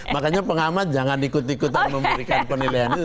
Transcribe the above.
makanya pengamat jangan ikut ikutan memberikan penilaian itu